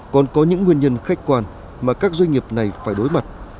còn có những nguyên nhân khách quan mà các doanh nghiệp này phải đối mặt